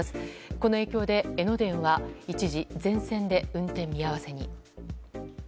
この影響で、江ノ電は一時、全線で運転見合わせに。